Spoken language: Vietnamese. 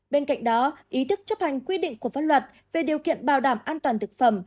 bên cạnh đó ý thức chấp hành quy định của pháp luật về điều kiện bảo đảm an toàn thực phẩm